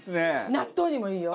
納豆にもいいよ。